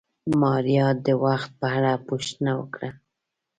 ماريا د وخت په اړه پوښتنه وکړه.